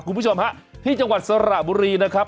คุณผู้ชมฮะที่จังหวัดสระบุรีนะครับ